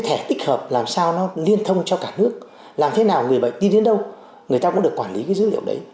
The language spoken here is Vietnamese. thẻ tích hợp làm sao liên thông cho cả nước làm thế nào người bệnh đi đến đâu người ta cũng được quản lý dữ liệu đấy